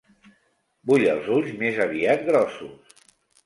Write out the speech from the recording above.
Vull els ulls més aviat grossos.